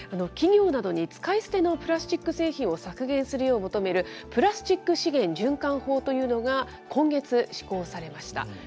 企業などに使い捨てのプラスチック製品を削減するよう求めるプラスチック資源循環法というのが今月、施行されました。